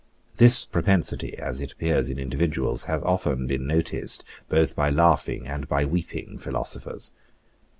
This propensity, as it appears in individuals, has often been noticed both by laughing and by weeping philosophers.